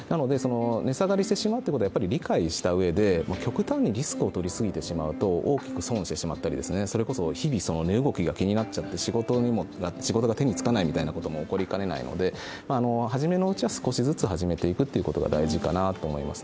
値下がりしてしまうということを理解した上で極端にリスクを取り過ぎると、大きく損をしてしまったり、日々、値動きが気になってしまって仕事が手につかないみたいなことも起こりかねないので、はじめのうちは少しずつ始めていくというのが大事かと思います。